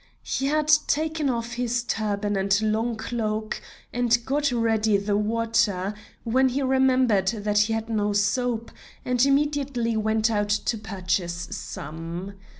He had taken off his turban and long cloak and got ready the water, when he remembered that he had no soap, and immediately went out to purchase some.